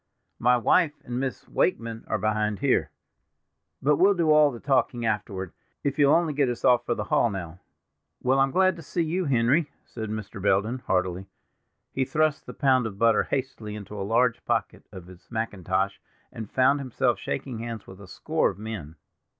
My wife and Miss Wakeman are behind here; but we'll do all the talking afterward, if you'll only get us off for the hall now." "Well, I am glad to see you, Henry," said Mr. Belden heartily. He thrust the pound of butter hastily into a large pocket of his mackintosh, and found himself shaking hands with a score of men.